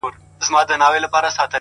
اې ه څنګه دي کتاب له مخه ليري کړم؛